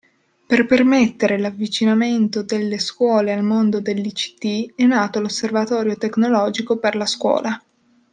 Per permettere l'avvicinamento delle scuole al mondo dell'ICT è nato l'Osservatorio Tecnologico per la Scuola.